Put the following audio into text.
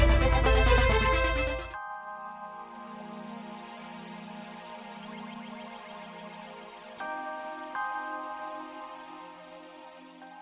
iya iya makanya ditolong periksa dulu pak